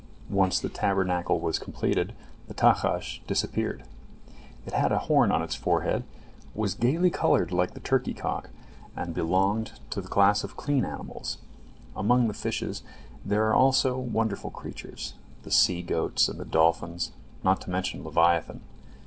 Once the Tabernacle was completed, the tahash disappeared. It had a horn on its forehead, was gaily colored like the turkey cock, and belonged to the class of clean animals. Among the fishes there are also wonderful creatures, the sea goats and the dolphins, not to mention leviathan.